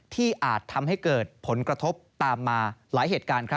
อาจทำให้เกิดผลกระทบตามมาหลายเหตุการณ์